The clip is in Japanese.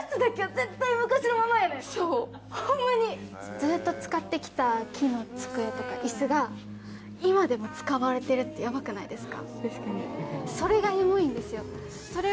ずっと使って来た木の机とか椅子が今でも使われてるってヤバくないですか？